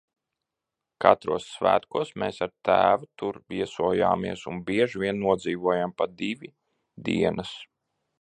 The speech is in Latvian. Katros svētkos mēs ar tēvu tur viesojāmies un bieži vien nodzīvojām pa divi dienas.